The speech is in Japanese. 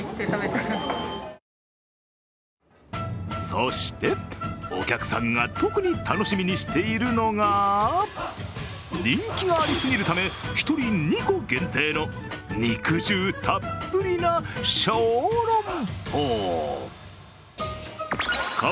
そしてお客さんが特に楽しみにしているのが人気がありすぎるため、１人２個限定の肉汁たっぷりな小籠包。